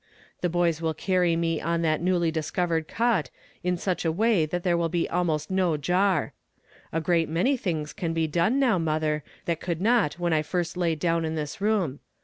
The boys will carry me on that newlv discovered cot, in such a way that there will l>e almost no jar. A great many things can !. j done now, mother, that could not when I first lay down in this room.